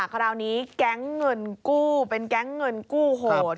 คราวนี้แก๊งเงินกู้เป็นแก๊งเงินกู้โหด